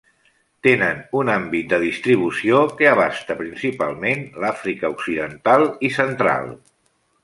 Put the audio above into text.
Tenen un àmbit de distribució que abasta principalment l'Àfrica Occidental i Central.